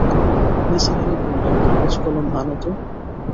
নিসার আলি বললেন, কাগজ-কলম আন তো।